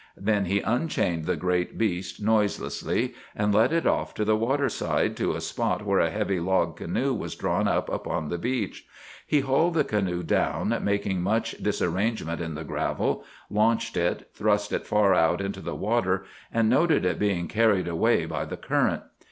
Then he unchained the great beast noiselessly, and led it off to the water side, to a spot where a heavy log canoe was drawn up upon the beach. He hauled the canoe down, making much disarrangement in the gravel, launched it, thrust it far out into the water, and noted it being carried away by the current.